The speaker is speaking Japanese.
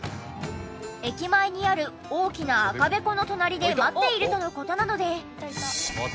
駅前にある大きな赤べこの隣で待っているとの事なので。